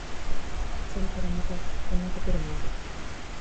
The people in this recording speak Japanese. それからまた、こんなところもある。